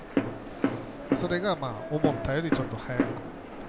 それが思ったよりちょっと速く。